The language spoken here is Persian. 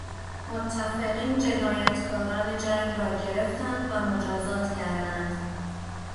متفقین جنایتکاران جنگ را گرفتند و مجازات کردند.